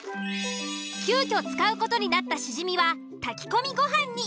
急遽使う事になったシジミは炊き込みご飯に。